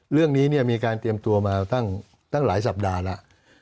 เรื่องนี้มีการเตรียมตัวมาตั้งหลายสัปดาห์แล้ว